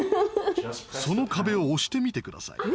その壁を押してみて下さい。